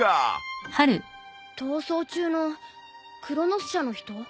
逃走中のクロノス社の人？